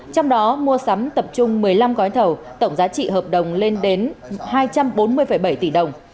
trong đó mua sắm tập trung một mươi năm gói thầu tổng giá trị hợp đồng lên đến hai trăm bốn mươi bảy tỷ đồng